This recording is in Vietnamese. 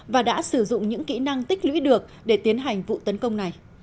và đã sử dụng những kỹ năng tích lũy được để tiến hành vụ tấn công này